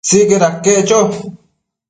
Sicaid aquec cho